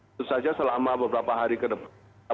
itu saja selama beberapa hari ke depan